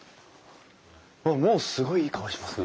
うわっもうすごいいい香りしますね。